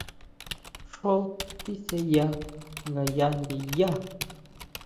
Xjó tisʼeya ngayá ndiyá.